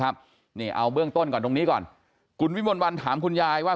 ครับนี่เอาเบื้องต้นก่อนตรงนี้ก่อนคุณวิมลวันถามคุณยายว่า